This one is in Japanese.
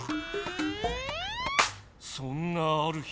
そんなある日。